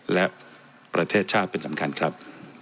และประเทศชาติเป็นสำคัญครับ